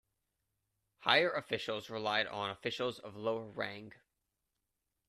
Higher officials relied on officials of lower rang.